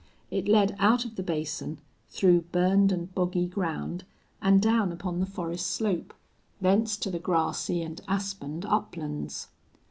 It led out of the basin, through burned and boggy ground and down upon the forest slope, thence to the grassy and aspened uplands.